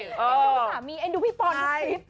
ดูสามีดูพี่ปอนดูคลิป